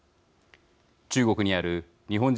中国にある日本人